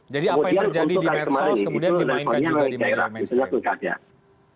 jadi apa yang terjadi di medsos kemudian dimainkan juga di media mainstream